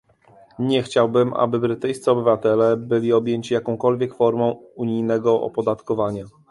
Nie chciałbym, aby brytyjscy obywatele byli objęci jakąkolwiek formą unijnego opodatkowania